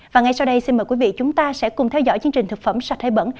và ngay sau đây xin mời quý vị chúng ta sẽ cùng theo dõi chương trình thực phẩm sạch hay bẩn